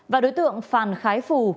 và đối tượng phàn khái phù